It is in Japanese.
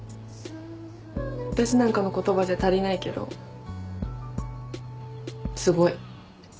私なんかの言葉じゃ足りないけどすごい。